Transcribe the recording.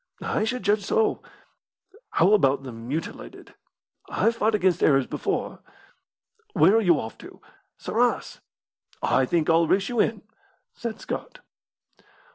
"I should judge so." "How about the 'mutilated'?" "I've fought against Arabs before." "Where are you off to?" "Sarras." "I think I'll race you in," said Scott.